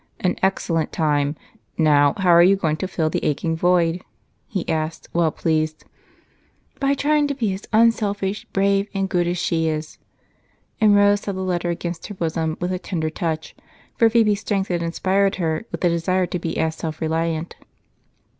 "An excellent time! Now, how are you going to fill the aching void?" he asked, well pleased. "By trying to be as unselfish, brave, and good as she is." And Rose held the letter against her bosom with a tender touch, for Phebe's strength had inspired her with a desire to be as self reliant.